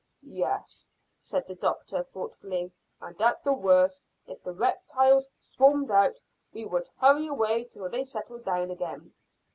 "Yes," said the doctor thoughtfully; "and at the worst, if the reptiles swarmed out, we would hurry away till they settled down again."